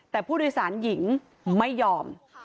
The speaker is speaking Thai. แต่ผู้โดยสารหญิงไม่ยอม